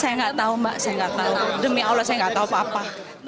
saya tidak tahu mbak saya tidak tahu demi allah saya tidak tahu apa apa